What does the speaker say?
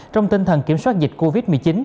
trong tinh thần kiểm soát dịch covid một mươi chín